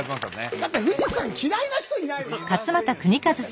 だって富士山嫌いな人いないでしょ。